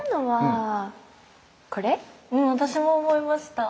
うん私も思いました！